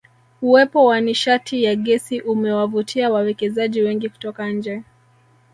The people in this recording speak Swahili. Uwepo wa nishati ya Gesi umewavutia wawekezaji wengi kutoka nje